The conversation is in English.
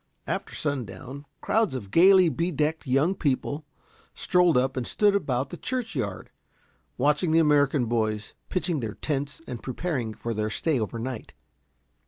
After sundown, crowds of gayly bedecked young people strolled up and stood about the church yard, watching the American boys pitching their tents and preparing for their stay over night.